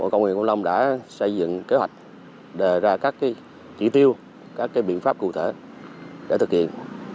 công an huyện quang long đã xây dựng kế hoạch đề ra các chỉ tiêu các biện pháp cụ thể để thực hiện